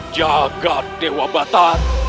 jagad dewa batar